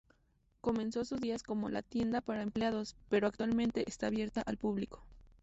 Comenzó sus días como la tienda para empleados, pero actualmente está abierta al público.